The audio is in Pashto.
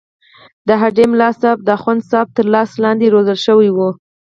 د هډې ملاصاحب د اخوندصاحب تر لاس لاندې روزل شوی وو.